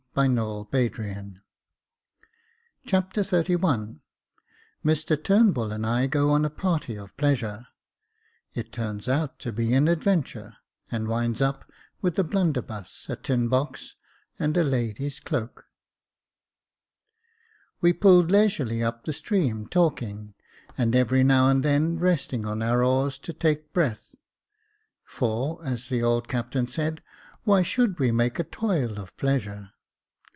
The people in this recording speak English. Jacob Faithful 295 Chapter XXXI Mr Tumbull and I go on a party of pleasure — It turns out to be an adventure, and winds up with a blunderbuss, a tin box, and a lady's cloak. We pulled leisurely up the stream, talking, and every now and then resting on our oars, to take breath ; for, as the old captain said, "Why should we make a toil of pleasure